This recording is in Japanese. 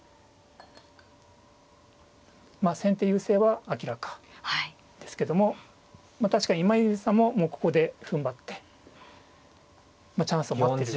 まあ先手優勢は明らかですけども今泉さんももうここでふんばってチャンスを待ってる状態ですね。